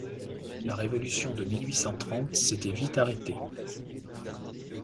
La révolution de mille huit cent trente s’était vite arrêtée.